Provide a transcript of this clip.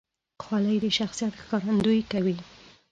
خولۍ د شخصیت ښکارندویي کوي.